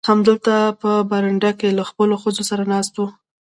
همدلته په برنډه کې له خپلو ښځو سره ناست و.